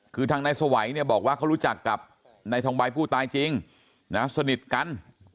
คือทางนายสวัยเนี่ยบอกว่าเขารู้จักกับนายทองใบผู้ตายจริงนะสนิทกัน